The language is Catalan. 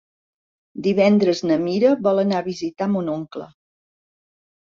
Divendres na Mira vol anar a visitar mon oncle.